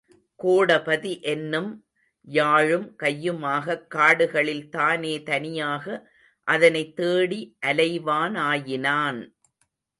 கோடபதி என்னும் யாழும் கையுமாகக் காடுகளில் தானே தனியாக அதனைத் தேடி அலைவானாயினான்.